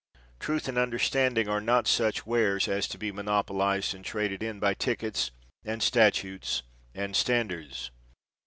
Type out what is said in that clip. Truth and understanding are not such wares as to be monopolized and traded in by tickets and statutes and standards.